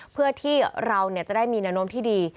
เพื่อที่เราจะได้มีแนวโน้มที่ดี